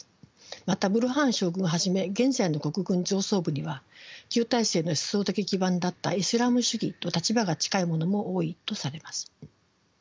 またブルハン将軍はじめ現在の国軍上層部には旧体制の思想的基盤だったイスラーム主義と立場が近い者も多いとされます。